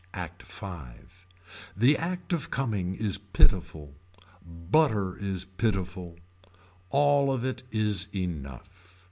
ACT V. The act of coming is pitiful. Butter is pitiful. All of it is enough.